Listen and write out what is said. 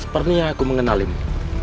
sepertinya aku mengenalimu